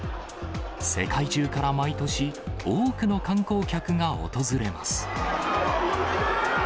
世界中から毎年、多くの観光客が訪れます。